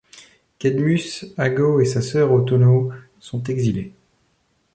Cadmus, Agaue et sa sœur Autonoe sont exilés.